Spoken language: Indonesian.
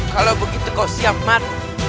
kalau begitu kau siap man